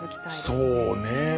そうね。